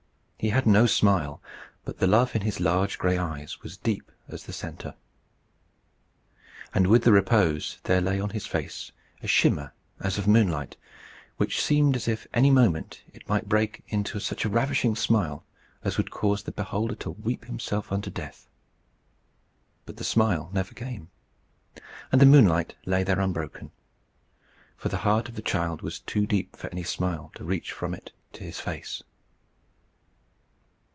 He had no smile, but the love in his large gray eyes was deep as the centre. And with the repose there lay on his face a shimmer as of moonlight, which seemed as if any moment it might break into such a ravishing smile as would cause the beholder to weep himself to death. But the smile never came, and the moonlight lay there unbroken. For the heart of the child was too deep for any smile to reach from it to his face.